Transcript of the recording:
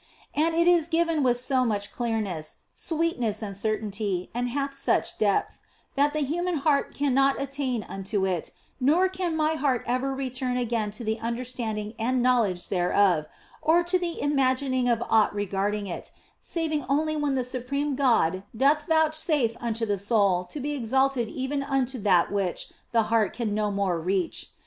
And it is given with so much clearness, sweetness, and certainty, and hath such depth, that the human heart cannot attain unto it, nor can my heart ever return again to the understanding and knowledge thereof, or to the imagining of aught regarding it, saving only when the supreme God doth vouchsafe unto the soul to be exalted even unto that which the heart can no more reach.